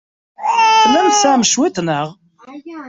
Tellam tesɛam cwiṭ, naɣ?